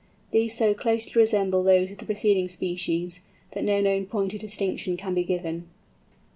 These so closely resemble those of the preceding species, that no known point of distinction can be given.